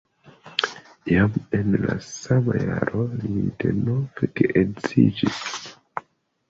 Jam en la sama jaro li denove geedziĝis.